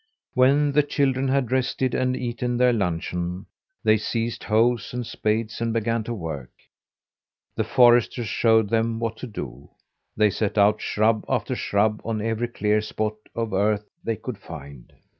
When the children had rested and eaten their luncheon, they seized hoes and spades and began to work. The foresters showed them what to do. They set out shrub after shrub on every clear spot of earth they could find.